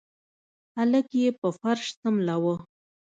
هلک يې په فرش سملوه.